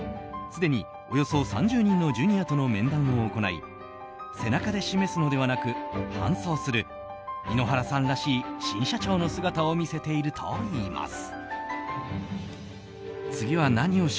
すでにおよそ３０人のジュニアとの面談を行い背中で示すのではなく伴走する井ノ原さんらしい新社長の姿を見せているといいます。